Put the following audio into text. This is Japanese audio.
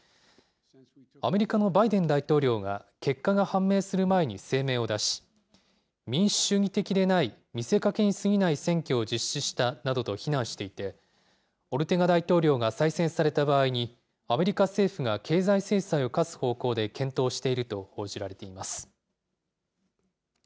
アメリカのバイデン大統領が結果が判明する前に声明を出し、民主主義的でない見せかけにすぎない選挙を実施したなどと非難していて、オルテガ大統領が再選された場合に、アメリカ政府が経済制裁を科す方向で検討していると報じられています。